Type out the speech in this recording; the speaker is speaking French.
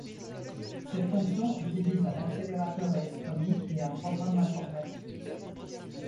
Cette fonction utilise un accélérateur électronique et un programme informatique.